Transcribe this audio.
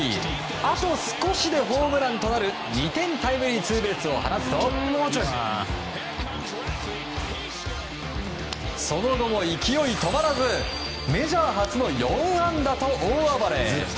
あと少しでホームランとなる２点タイムリーツーベースを放つとその後も勢い止まらずメジャー初の４安打と大暴れ！